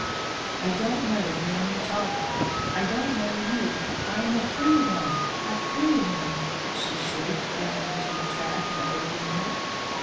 "I don't know the man you talk of; I don't know you. I am a free woman! a free woman! " she shrieked, bounding to the trap and opening it.